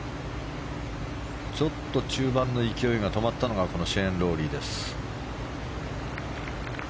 ちょっと中盤の勢いが止まったのがこのシェーン・ロウリーです。